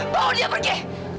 bawa dia pergi